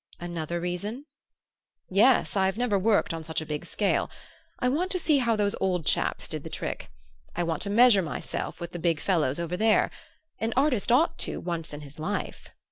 "Another reason?" "Yes; I've never worked on such a big scale. I want to see how those old chaps did the trick; I want to measure myself with the big fellows over there. An artist ought to, once in his life."